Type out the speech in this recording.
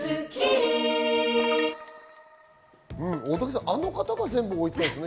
大竹さん、あの方が全部置いていたんですね。